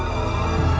mas mau kemana mas